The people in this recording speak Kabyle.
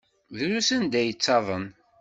Drus anda ay yettaḍen.